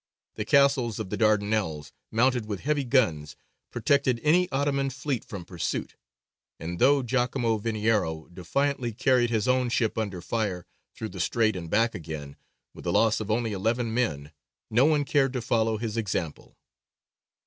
The Castles of the Dardanelles, mounted with heavy guns, protected any Ottoman fleet from pursuit; and though Giacomo Veniero defiantly carried his own ship under fire through the strait and back again with the loss of only eleven men, no one cared to follow his example.